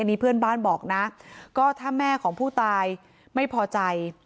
นี่เพื่อนบ้านบอกนะก็ถ้าแม่ของผู้ตายไม่พอใจ